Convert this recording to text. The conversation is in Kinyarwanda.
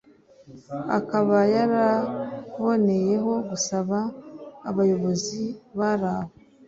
Akaba yaraboneyeho gusaba abayobozi bari aho